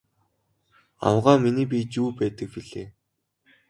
Авгай миний биед юу байдаг билээ?